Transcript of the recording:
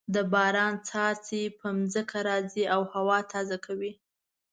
د باران څاڅکي په ځمکه راځې او هوا تازه کوي.